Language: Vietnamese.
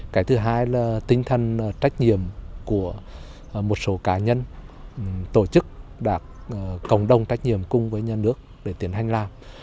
cái thứ hai là tinh thần trách nhiệm của một số cá nhân tổ chức đạt cộng đồng trách nhiệm cùng với nhà nước để tiến hành làm